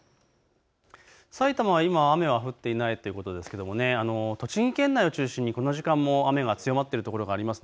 埼玉は今雨は降っていないということですが栃木県内を中心にこの時間も雨が強まっている所があります。